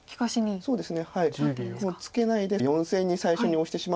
そうですね。